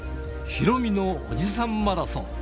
ヒロミのおじさんマラソン。